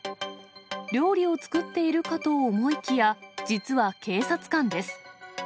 料理を作っているかと思いきや、実は警察官です。